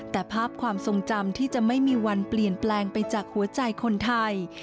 แต่ภาพความทรงจำที่จะไม่มีวันเปลี่ยนแปลงไปจากหัวใจคนไทย